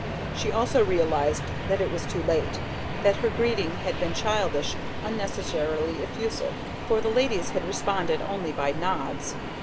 She also realised, when it was too late, that her greeting had been childish, unnecessarily effusive; for the ladies had responded only by nods.